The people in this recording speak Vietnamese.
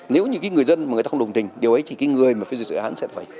nếu như cái người dân mà người ta không đồng tình điều ấy thì cái người mà phải duyệt dự án sẽ phải